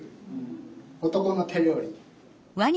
男の手料理。